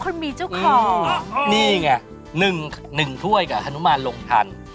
นึงถ้วยกับฮนุภาคนลงัวทัน